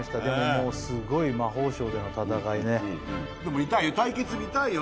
もうすごい魔法省での戦いねでも対決見たいよね